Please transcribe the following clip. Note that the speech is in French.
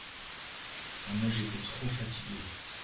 Moi, j'étais trop fatiguée.